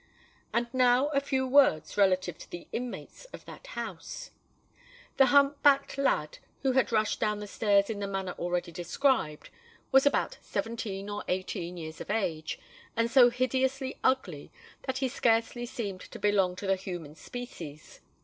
And now a few words relative to the inmates of that house. The hump backed lad who had rushed down the stairs in the manner already described, was about seventeen or eighteen years of age, and so hideously ugly that he scarcely seemed to belong to the human species.